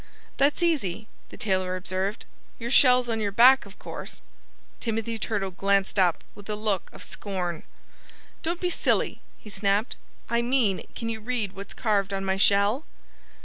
"That's easy," the tailor observed. "Your shell's on your back, of course." Timothy Turtle glanced up with a look of scorn. "Don't be silly!" he snapped. "I mean, can you read what's carved on my shell?"